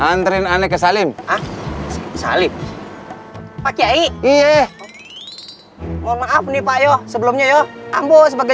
anterin aneh kesalin salib pakai iya mohon maaf nih pak yo sebelumnya yo ambo sebagai